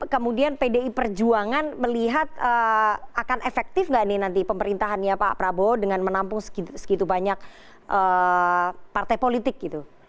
kemudian pdi perjuangan melihat akan efektif nggak nih nanti pemerintahannya pak prabowo dengan menampung segitu banyak partai politik gitu